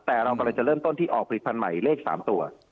แต่เรากำลังจะเริ่มต้นที่ออกผลิตภัณฑ์ใหม่เลข๓ตัว